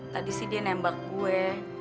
tadi sih dia nembak gue